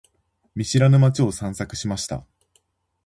見知らぬ街を散策しました。